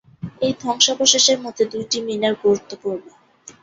এই ধ্বংসাবশেষের মধ্যে দুইটি মিনার গুরুত্বপূর্ণ।